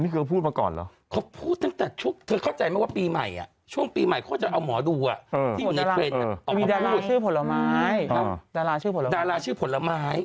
เขาพูดกับว่าแตงโม้อีนุ่ม